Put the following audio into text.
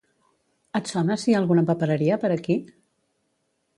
Et sona si hi ha alguna papereria per aquí?